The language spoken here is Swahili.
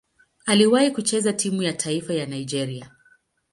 Aliwahi kucheza timu ya taifa ya Nigeria.